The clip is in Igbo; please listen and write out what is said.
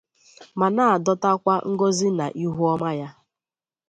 ma na-adọtakwa ngọzị na ihuọma Ya